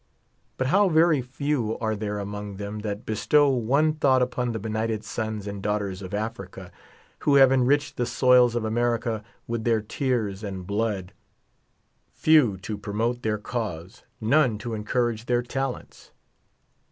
But how very few are there among them that bestow one tliought upon the benighted sons and daughters of Africa, who have en riched the soils of America with their tears and blood ; few to promote their cause, none to encourage their talents.